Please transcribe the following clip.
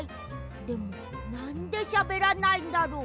でもなんでしゃべらないんだろう？